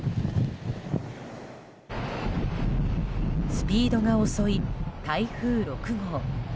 スピードが遅い台風６号。